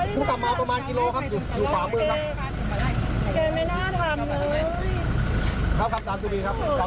พ่อใจ